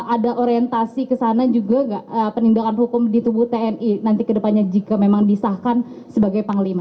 ada orientasi ke sana juga gak penindakan hukum di tubuh tni nanti kedepannya jika memang disahkan sebagai panglima